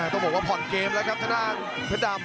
ต้องบอกว่าผ่อนเกมแล้วครับทางด้านเพชรดำ